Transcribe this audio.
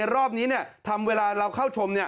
รอบนี้ทำเวลาเราเข้าชม